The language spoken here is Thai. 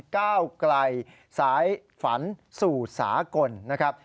ก้าวไกลสายฝันสู่สากลนะครับ